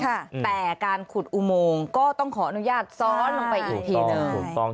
แต่การขุดอุโมงก็ต้องขออนุญาตซ้อนลงไปอีกที